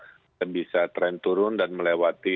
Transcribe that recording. kita bisa tren turun dan melewati